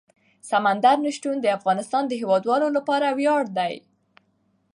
سمندر نه شتون د افغانستان د هیوادوالو لپاره ویاړ دی.